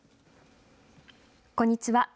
こんにちは。